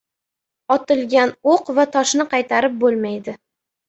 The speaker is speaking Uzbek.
• Otilgan o‘q va toshni qaytarib bo‘lmaydi.